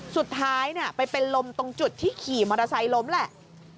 สุดท้ายไปเป็นลมตรงจุดที่ขี่มอเตอร์ไซค์ล้มแหละ